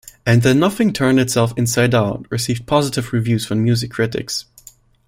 "And Then Nothing Turned Itself Inside-Out" received positive reviews from music critics.